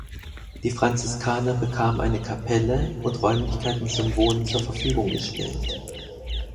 Die Franziskaner bekamen eine Kapelle und Räumlichkeiten zum Wohnen zur Verfügung gestellt.